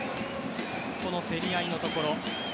競り合いのところ。